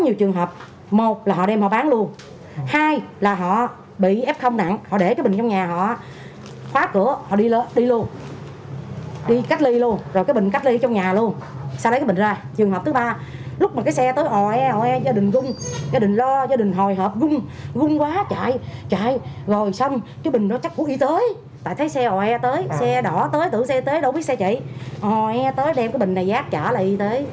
ủa y tế tại thấy xe oe tới xe đỏ tới tưởng xe tới đâu biết xe chị oe tới đem cái bình này giác trả lại y tế